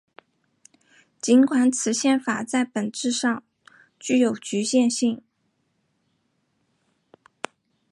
尽管此宪法在本质上具有局限性。